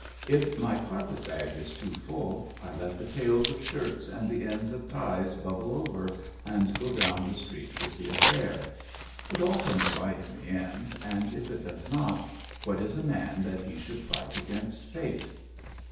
If my carpet bag is too full, I let the tails of shirts and the ends of ties bubble over and go down the street with the affair. It all comes right in the end, and if it does not, what is a man that he should fight against Fate?